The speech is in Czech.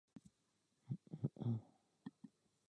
Jsme zřejmě na prahu.